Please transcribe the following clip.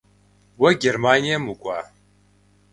Уэ Германием укӏуа?